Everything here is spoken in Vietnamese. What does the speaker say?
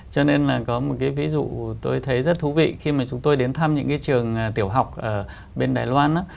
cho nên là có một cái ví dụ tôi thấy rất thú vị khi mà chúng tôi đến thăm những cái trường tiểu học ở bên đài loan á